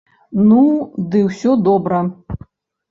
Ну, ды ўсё добра!